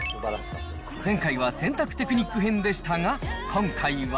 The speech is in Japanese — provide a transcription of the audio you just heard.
前回は洗濯テクニック編でしたが、今回は。